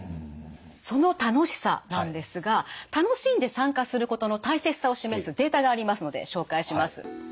その楽しさなんですが楽しんで参加することの大切さを示すデータがありますので紹介します。